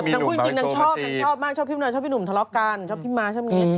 น้องชอบมากชอบพี่สนาดิบชอบพี่หนูทะเลาะกันชอบพี่มาแหละชอบแบบนี้